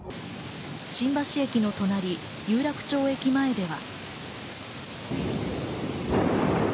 新橋駅の隣、有楽町駅前では。